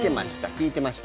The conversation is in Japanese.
聞いてました？